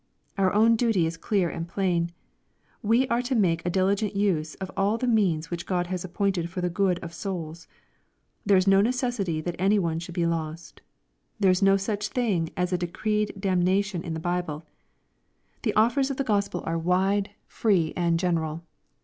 Our own duty is clear and plain. We are to make a diligent use of all the means which Grod has appointed for the good of souls. There is no necessity that any one should be lost. There is no such a thing as decreed dam« nation in the Bible The offers of the Gospel are wide, LUKE, CHAP. XXIII. 473 free and general.